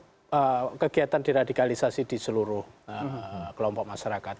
jadi kalau kita diradikalisasi di seluruh kelompok masyarakat